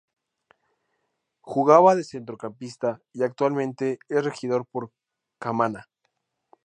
Jugaba de centrocampista y actualmente es regidor por Camaná.